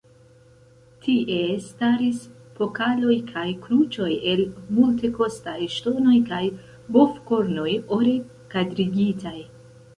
Tie staris pokaloj kaj kruĉoj el multekostaj ŝtonoj kaj bovkornoj, ore kadrigitaj.